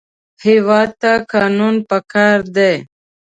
هېواد ته قانون پکار دی